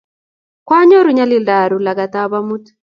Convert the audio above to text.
Kwanyoru nyalilda aru langat ab amut